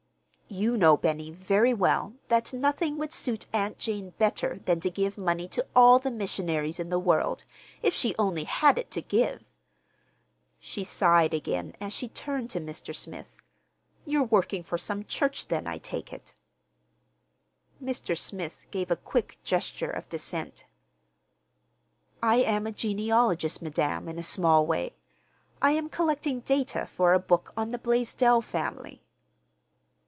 "You know, Benny, very well, that nothing would suit Aunt Jane better than to give money to all the missionaries in the world, if she only had it to give!" She sighed again as she turned to Mr. Smith. "You're working for some church, then, I take it." Mr. Smith gave a quick gesture of dissent. "I am a genealogist, madam, in a small way. I am collecting data for a book on the Blaisdell family."